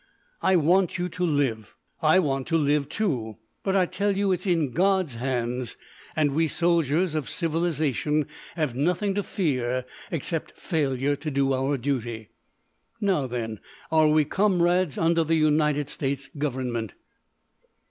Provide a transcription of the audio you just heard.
"I want you to live. I want to live, too. But I tell you it's in God's hands, and we soldiers of civilisation have nothing to fear except failure to do our duty. Now, then, are we comrades under the United States Government?"